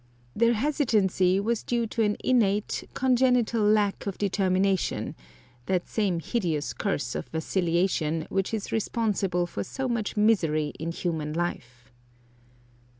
Their hesitancy was due to an innate, congenital lack of determination that same hideous curse of vacillation which is responsible for so much misery in human life.